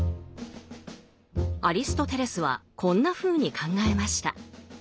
アリストテレスはこんなふうに考えました。